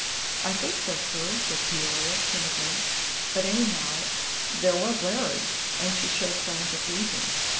"I think so, sir," said Peoria, timidly; "but, anyhow, there was Larry;" and she showed signs of weeping.